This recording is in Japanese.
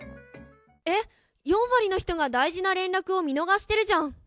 え⁉４割の人が大事な連絡を見逃してるじゃん！